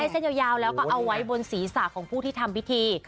แล้วเสร็จค่ะให้เส้นยาวแล้วก็เอาไว้บนศีรษะของผู้ที่ทำพิธี